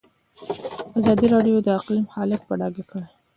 ازادي راډیو د اقلیم حالت په ډاګه کړی.